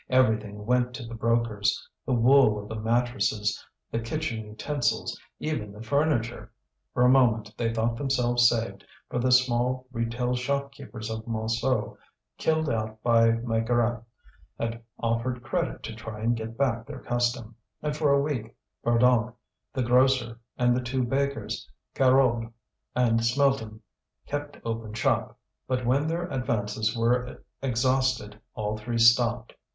Everything went to the brokers, the wool of the mattresses, the kitchen utensils, even the furniture. For a moment they thought themselves saved, for the small retail shopkeepers of Montsou, killed out by Maigrat, had offered credit to try and get back their custom; and for a week Verdonck, the grocer, and the two bakers, Carouble and Smelten, kept open shop, but when their advances were exhausted all three stopped.